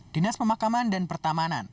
dinas pemakaman dan pertamaan